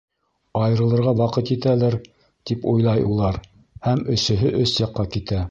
Айырылырға ваҡыт етәлер, тип уйлай улар, һәм өсөһө өс яҡҡа китә.